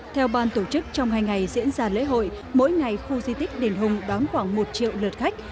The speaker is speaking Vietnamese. theo ban tổ chức trong hai ngày diễn ra lễ hội mỗi ngày khu di tích đền hùng đón khoảng một triệu lượt khách